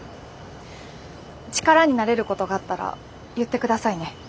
力になれることがあったら言ってくださいね。